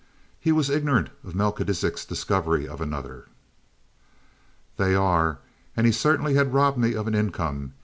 He was ignorant of Melchisidec's discovery of another. "They are. And he certainly had robbed me of an income.